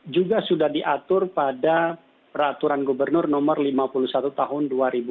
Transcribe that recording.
juga sudah diatur pada peraturan gubernur nomor lima puluh satu tahun dua ribu dua puluh